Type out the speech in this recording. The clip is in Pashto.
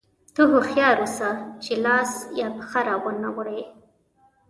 ته هوښیار اوسه چې لاس یا پښه را وانه وړې.